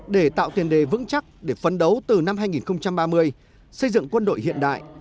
để tạo tiền đề vững chắc để phấn đấu từ năm hai nghìn ba mươi xây dựng quân đội hiện đại